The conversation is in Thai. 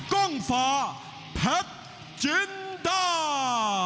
กรงฝาพักจิ้นดา